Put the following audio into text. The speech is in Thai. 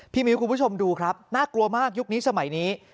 มิ้วคุณผู้ชมดูครับน่ากลัวมากยุคนี้สมัยนี้